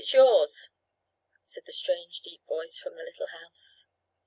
It is yours," said the strange deep voice from the little house.